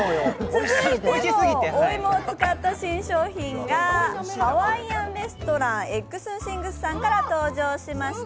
続いても、お芋を使った新商品がハワイアンレストラン、Ｅｇｇｓ’ｎＴｈｉｎｇｓさんから登場しました。